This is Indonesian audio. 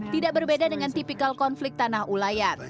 tidak berbeda dengan tipikal konflik tanah ulayar